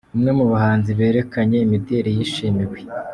Umwe mu bahanzi berekanye imideli yishimiwe.